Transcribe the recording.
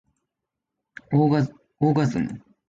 オーガズム